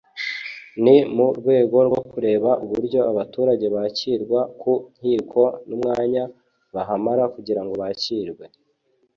ni mu rwego rwo kureba uburyo abaturage bakirwa ku nkiko n’umwanya bahamara kugira ngo bakirwe